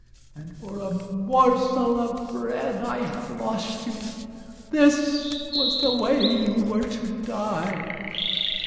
And for a morsel of bread I have lost you! This was the way you were to die!"